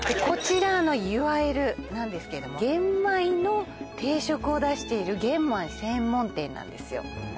こちら「結わえる」なんですけれども玄米の定食を出している玄米専門店なんですよ